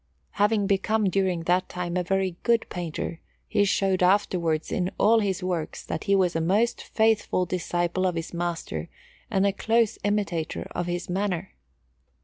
Having become during that time a very good painter, he showed afterwards in all his works that he was a most faithful disciple of his master and a close imitator of his manner.